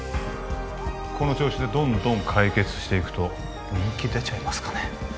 この調子でどんどん解決していくと人気出ちゃいますかね